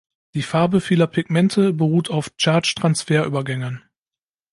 Die Farbe vieler Pigmente beruht auf Charge-Transfer-Übergängen.